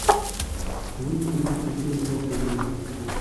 ښوونکي مخکې ښه مثال ښودلی و.